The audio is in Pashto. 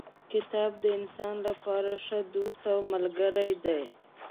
کتاب د انسان لپاره ښه دوست او ملګری دی.